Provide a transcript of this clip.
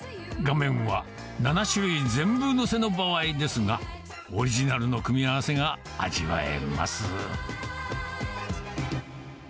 画面は７種類全部載せの場合ですが、オリジナルの組み合わせが味わえます。